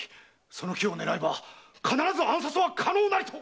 その機を狙えば必ず暗殺は可能なり」と！